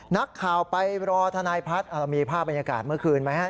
นักข่าวไปรอทนายพัฒน์เรามีภาพบรรยากาศเมื่อคืนไหมครับ